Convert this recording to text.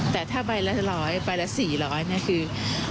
แต่ถ้าใบละ๑๐๐ใบละ๔๐๐คือ